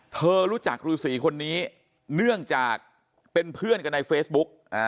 เธอรู้จักฤษีคนนี้เนื่องจากเป็นเพื่อนกันในเฟซบุ๊ก